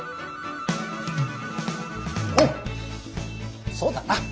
おっそうだな。